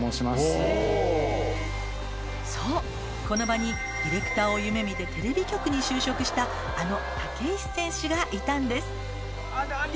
この場にディレクターを夢見てテレビ局に就職したあの竹石選手がいたんですあら！